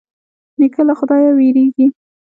نیکه له خدايه وېرېږي.